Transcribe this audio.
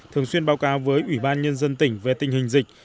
thường xuyên báo cáo với ủy ban nhân dân tỉnh về tình hình dịch